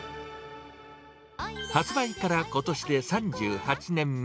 発売からことしで３８年目。